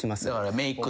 ・メイク。